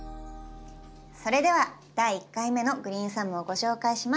それでは第１回目のグリーンサムをご紹介します。